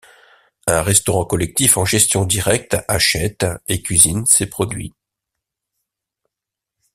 Un restaurant collectif en gestion directe achète et cuisine ses produits.